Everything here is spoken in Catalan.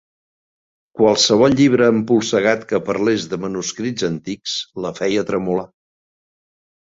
Qualsevol llibre empolsegat que parlés de manuscrits antics la feia tremolar.